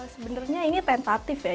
sebenarnya ini tentatif ya